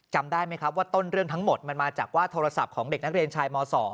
จำได้ไหมครับว่าต้นเรื่องทั้งหมดมันมาจากว่าโทรศัพท์ของเด็กนักเรียนชายม๒